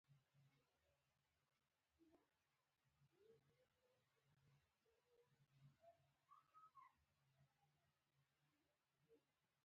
زمانشاه به یو ورځ خطر متوجه کړي.